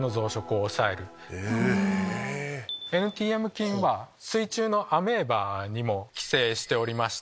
ＮＴＭ菌は水中のアメーバにも寄生しておりまして。